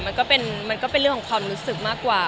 มันก็เป็นเรื่องของความรู้สึกมากกว่า